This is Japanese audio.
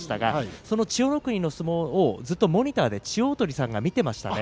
その千代の国の相撲をずっと千代鳳さんが見ていました。